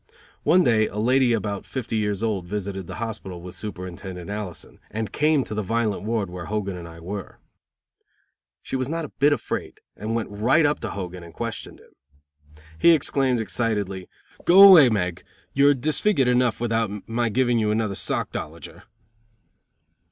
One day a lady about fifty years old visited the hospital with Superintendent Allison, and came to the violent ward where Hogan and I were. She was not a bit afraid, and went right up to Hogan and questioned him. He exclaimed, excitedly, "Go away, Meg. You're disfigured enough without my giving you another sockdolager."